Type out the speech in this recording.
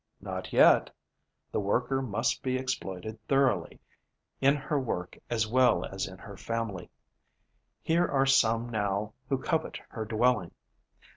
Not yet. The worker must be exploited thoroughly, in her work as well as in her family. Here are some now who covet her dwelling.